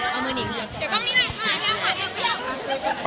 ต่อหน้านี้มีความคิดจะ